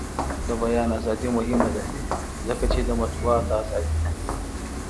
د بیان ازادي مهمه ده ځکه چې د مطبوعاتو ازادي ده.